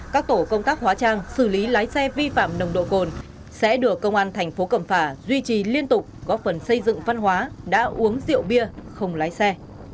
các tổ công tác hóa trang xử lý lái xe vi phạm nồng độ cồn sẽ được công an thành phố cẩm phả duy trì liên tục góp phần xây dựng văn hóa đã uống rượu bia không lái xe